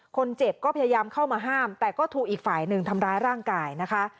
คนเจ็บก็พยายามเข้ามาห้ามแต่ก็ถูกอีกฝ่ายหนึ่งทำร้ายร่างกายนะคะ